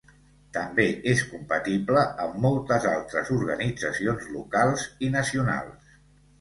També és compatible amb moltes altres organitzacions locals i nacionals.